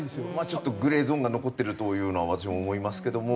ちょっとグレーゾーンが残ってるというのは私も思いますけども。